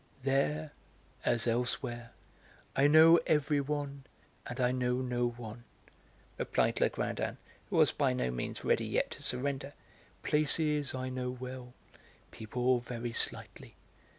"There as elsewhere, I know everyone and I know no one," replied Legrandin, who was by no means ready yet to surrender; "places I know well, people very slightly.